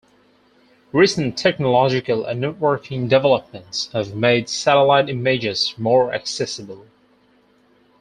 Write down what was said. Recent technological and networking developments have made satellite images more accessible.